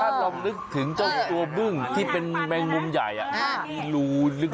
ถ้าเรานึกถึงตัวบึ้งที่เป็นแมงงุมใหญ่ลูลึกอะ